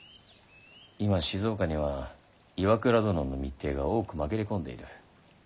今静岡には岩倉殿の密偵が多く紛れ込んでいる。